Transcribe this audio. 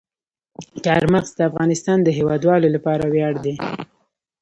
چار مغز د افغانستان د هیوادوالو لپاره ویاړ دی.